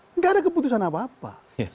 tidak ada keputusan apa apa